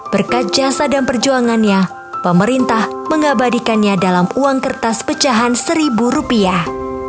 berkat jasa dan perjuangannya pemerintah mengabadikannya dalam uang kertas pecahan seribu rupiah